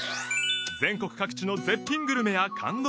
全国各地の絶品グルメや感動